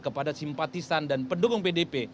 kepada simpatisan dan pendukung pdp